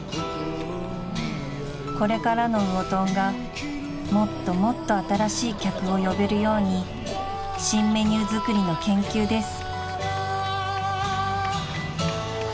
［これからの魚とんがもっともっと新しい客を呼べるように新メニュー作りの研究です］